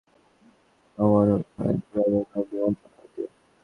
প্রবাসে বসে এমন একটি সময়ের সওয়ার হওয়া ভাগ্যেরই ব্যাপার, বললেন বিমান চক্রবর্তী।